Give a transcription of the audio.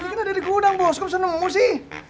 ini kan ada di gudang bos kok bisa nemu sih